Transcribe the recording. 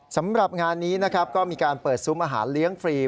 สำหรับงานนี้นะครับก็มีการเปิดซุ้มอาหารเลี้ยงฟรี